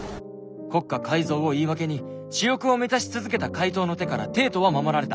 国家改造を言い訳に私欲を満たし続けた怪盗の手から帝都は守られた。